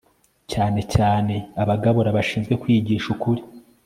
cyane cyane abagabura bashinzwe kwigisha ukuri